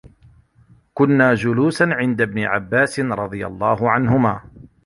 كُنَّا جُلُوسًا عِنْدَ ابْنِ عَبَّاسٍ رَضِيَ اللَّهُ عَنْهُمَا